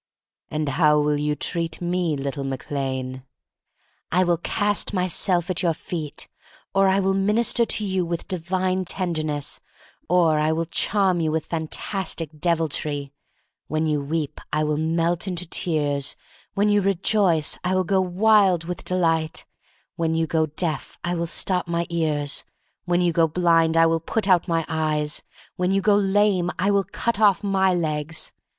"And how will you treat me, little Mac Lane?" "I will cast myself at your feet; or I will minister to you with divine tender ness; or I will charm you with fantastic deviltry; when you weep, I will melt into tears; when you rejoice, I will go wild with delight; when you go deaf I will stop my ears; when you go blind THE STORY OF MARY MAG LANE 97 I will put out my eyes; when you go lame I will cut off my legs.